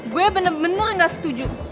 gue bener bener gak setuju